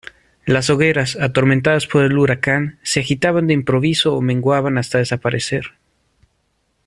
las hogueras, atormentadas por el huracán , se agitaban de improviso ó menguaban hasta desaparecer.